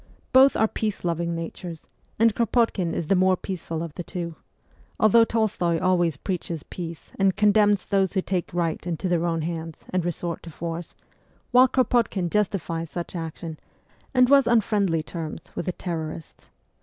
Both are peace loving natures, and Kropotkin is the more peaceful of the two although Tolstoy always preaches peace and condemns those who take right into their own hands and resort to force, while Kropotkin justifies such action, and was on friendly terms with the Terrorists.